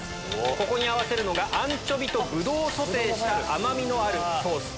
ここに合わせるのがアンチョビとブドウをソテーした甘みのあるソース。